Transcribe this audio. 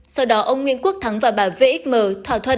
sau đó ông nguyễn quốc thắng và bà vxm thỏa thuận